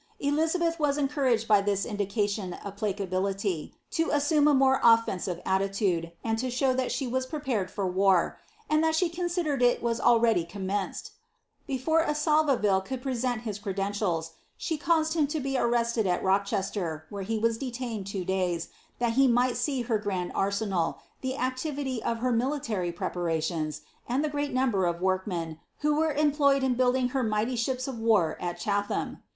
Elizabeth was encouraged by this indication of pla cability, to assume a more offensive attitude, and to show that she was prepared for war, and that she considered it was already commenced. Before Assolveville could present his credentials, she caused him to be arrested at Rochester, where he was detained two days, that he might tee her grand arsenal, the activity of her military preparations, and the great number of workmen, who were employed in building her mighty ships of war at Chatham.